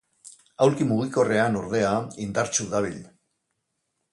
Aulki mugikorrean ordea indartsu dabil.